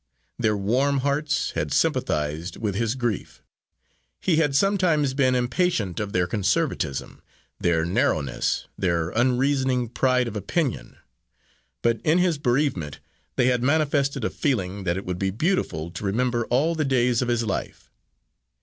Their warm hearts had sympathised with his grief. He had sometimes been impatient of their conservatism, their narrowness, their unreasoning pride of opinion; but in his bereavement they had manifested a feeling that it would be beautiful to remember all the days of his life.